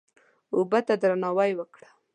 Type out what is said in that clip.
اوبه ته درناوی وکړه.